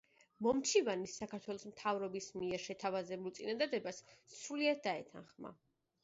მომჩივანი საქართველოს მთავრობის მიერ შეთავაზებულ წინადადებას სრულად დაეთანხმა.